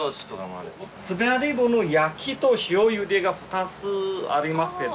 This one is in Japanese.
スペアリブの焼きと塩湯でが２つありますけど。